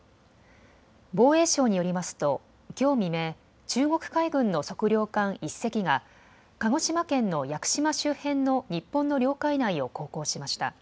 防衛省によりますときょう未明、中国海軍の測量艦１隻が鹿児島県の屋久島周辺の日本の領海内を航行しました。